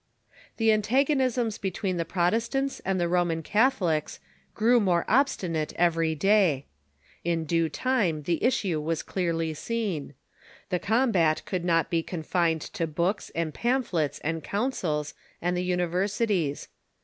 The antagonisms between the Protestants and the Roman Catholics grew more obstinate every day. In due time the issue was clearly seen. The combat could not be Anugonisms confined to books, and pamphlets, and councils, and the universities.